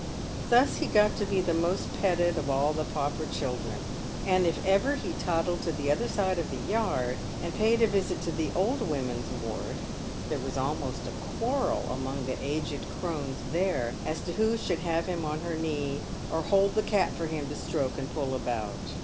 Thus he got to be the most petted of all the pauper children ; and if ever he toddled to the other side of the yard, and paid a visit to the old women's ward, there was almost a quarrel among the aged crones there as to who should have him on her knee, or hold the cat for him to stroke and pull about.